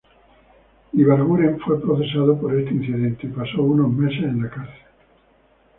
Ibarguren fue procesado por este incidente y pasó unos meses en la cárcel.